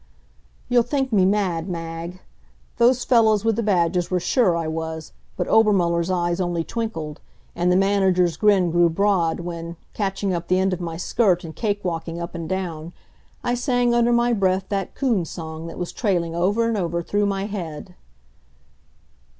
You'll think me mad, Mag. Those fellows with the badges were sure I was, but Obermuller's eyes only twinkled, and the manager's grin grew broad when, catching up the end of my skirt and cake walking up and down, I sang under my breath that coon song that was trailing over and over through my head.